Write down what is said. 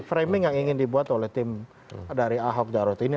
framing yang ingin dibuat oleh tim dari ahok jarot ini